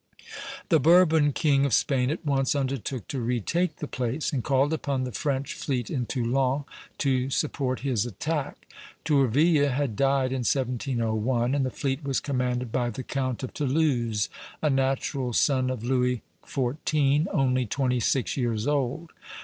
The Bourbon king of Spain at once undertook to retake the place, and called upon the French fleet in Toulon to support his attack. Tourville had died in 1701, and the fleet was commanded by the Count of Toulouse, a natural son of Louis XIV., only twenty six years old.